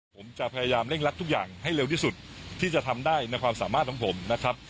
ผมจะพยายามเร่งรัดทุกอย่างให้เร็วที่สุดที่จะทำได้ในความสามารถของผมนะครับ